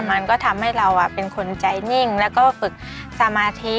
มันก็ทำให้เราเป็นคนใจนิ่งแล้วก็ฝึกสมาธิ